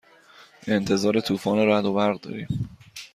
انتظار طوفان رعد و برق داریم.